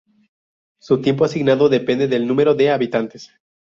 Su tiempo asignado depende del número de habitantes.